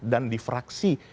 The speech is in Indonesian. dan di fraksi